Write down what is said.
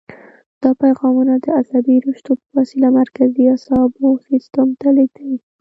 دا پیغامونه د عصبي رشتو په وسیله مرکزي اعصابو سیستم ته لېږدوي.